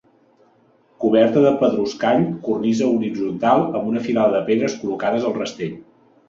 Coberta de pedruscall, cornisa horitzontal amb una filada de pedres col·locades al rastell.